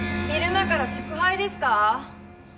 昼間から祝杯ですか？